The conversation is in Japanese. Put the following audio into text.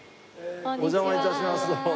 お邪魔致します。